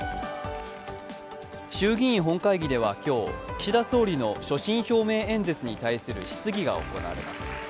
衆議院本会議では今日、岸田総理の所信表明演説に対する質疑が行われます。